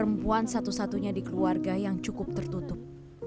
perempuan satu satunya di keluarga yang cukup tertutup